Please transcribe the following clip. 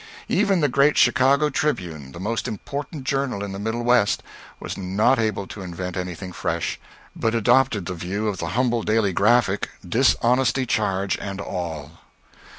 Even the great Chicago "Tribune," the most important journal in the Middle West, was not able to invent anything fresh, but adopted the view of the humble "Daily Graphic," dishonesty charge and all.